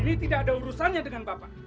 ini tidak ada urusannya dengan bapak